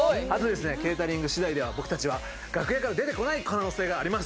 ケータリング次第では、僕たちは楽屋から出てこない可能性があります。